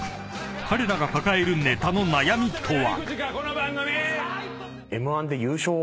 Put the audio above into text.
［彼らが抱えるネタの悩みとは？］